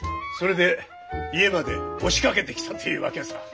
それで家まで押しかけてきたというわけさ。